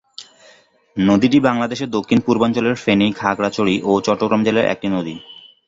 নদীটি বাংলাদেশের দক্ষিণ-পূর্বাঞ্চলের ফেনী, খাগড়াছড়ি ও চট্টগ্রাম জেলার একটি নদী।